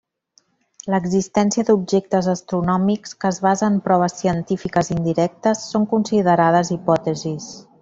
L'existència d'objectes astronòmics que es basa en proves científiques indirectes són considerades hipòtesis.